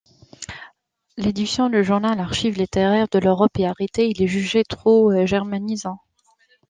L’édition du journal Archives littéraires de l’Europe est arrêtée, il est jugé trop germanisant.